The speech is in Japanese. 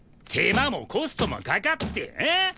手間もコストもかかってええ？